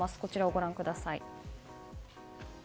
ご覧ください。